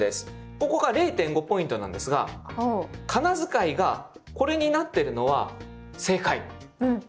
ここが０．５ポイントなんですが仮名遣いがこれになってるのは正解。